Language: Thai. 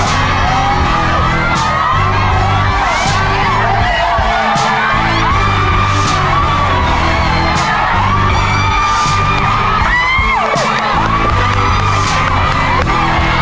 หยุดเวลาไม่แล้วนะคะ